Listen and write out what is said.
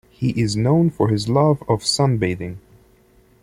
He is known for his love of sunbathing.